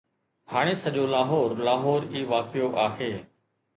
هاڻي سڄو لاهور، لاهور ئي واقعو آهي